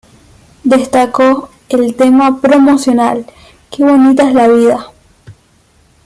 Destacó el tema promocional "Que bonita es esta vida".